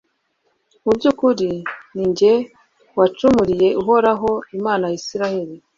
mu by'ukuri, ni jye wacumuriye uhoraho, imana ya israheli